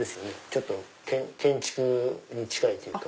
ちょっと建築に近いというか。